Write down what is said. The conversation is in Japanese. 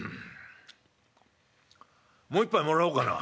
もう一杯もらおうかな」。